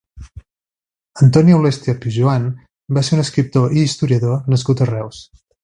Antoni Aulèstia Pijoan va ser un escriptor i historiador nascut a Reus.